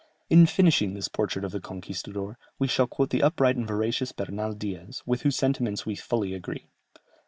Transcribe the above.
In finishing this portrait of the "conquistador," we shall quote the upright and veracious Bernal Diaz, with whose sentiments we fully agree.